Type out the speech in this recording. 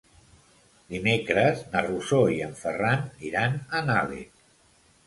Dimecres na Rosó i en Ferran iran a Nalec.